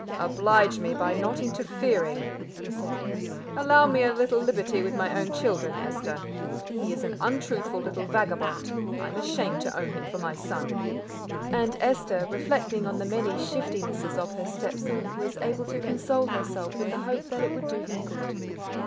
"Oblige me by not interfering," he said; "allow me a little liberty with my own children, Esther. He is an untruthful little vagabond; I am ashamed to own him for my son." And Esther, reflecting on the many shiftinesses of her stepson, was able to console herself with the hope that it would do him good.